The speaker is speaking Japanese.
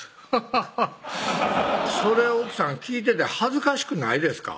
ハハハッそれ奥さん聞いてて恥ずかしくないですか？